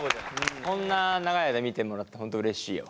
こんな長い間見てもらって本当うれしいよ。